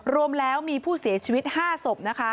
รวมแล้วมีผู้เสียชีวิต๕ศพนะคะ